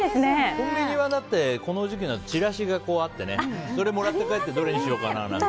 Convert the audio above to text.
コンビニは、だってこの時期になるとチラシがあってそれもらって帰ってどれにしようかなって。